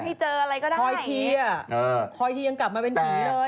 คอยเทียคอยเทียกลับมาเป็นของนี่เลย